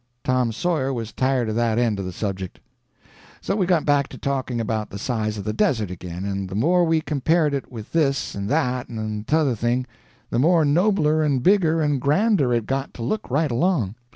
Tom Sawyer was tired of that end of the subject. So we got back to talking about the size of the Desert again, and the more we compared it with this and that and t'other thing, the more nobler and bigger and grander it got to look right along.